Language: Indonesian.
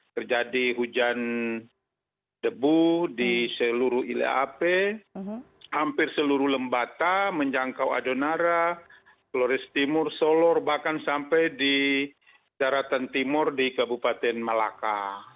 terjadi hujan debu di seluruh ileap hampir seluruh lembata menjangkau adonara flores timur solor bahkan sampai di daratan timur di kabupaten malaka